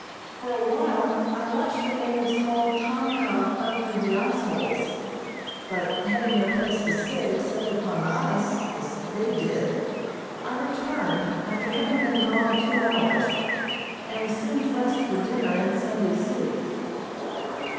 For a while I watched the natives haul tom cod up through the ice holes, but having no place to sit except upon the ice, as they did, I returned after having been gone two hours, and was soon dressed for dinner in Sunday suit.